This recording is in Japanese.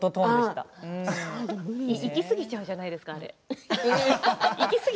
いきすぎちゃうじゃないですか。